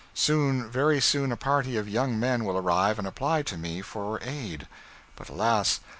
Soon, very soon, a party of young men will arrive and apply to me for aid; but alas!